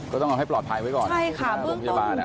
ก็ต้องเอาให้ปลอดภัยไว้ก่อนบริษัทโรงพยาบาลน่ะ